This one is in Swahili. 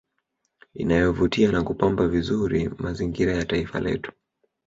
Inayovutia na kupamba vizuri mazingira ya taifa letu